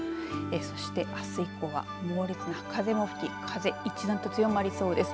そしてあす以降は猛烈な風も吹き風一段と強まりそうです。